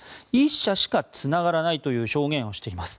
１社しかつながらないという証言をしています。